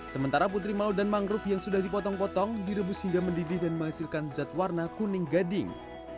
sementara putri mau dan mangrove yang sudah dipotong potong direbus hingga mendidih dan menghasilkan zat warna kuning gading